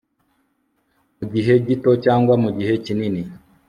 mu gihe gito cyangwa mu gihe kinini